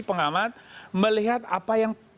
pengamat melihat apa yang